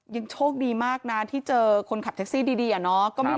ยังโชคดีมากนะที่เจอคนขับแท็กซี่ดีอะเนาะ